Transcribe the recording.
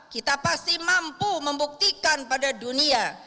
kita pasti mampu membuktikan pada dunia